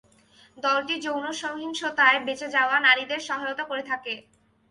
দলটি যৌন সহিংসতায় বেঁচে যাওয়া নারীদের সহায়তা করে থাকে।